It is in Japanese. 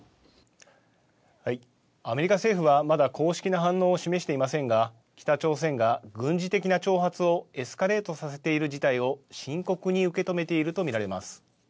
アメリカ政府はまだ公式な反応を示していませんが北朝鮮が軍事的な挑発をエスカレートさせている事態を深刻に受け止めていると見られます。